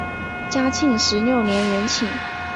嘉庆十六年园寝。